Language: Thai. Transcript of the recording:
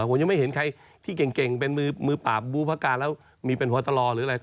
ผมไม่เห็นหึเก่งกาบมือ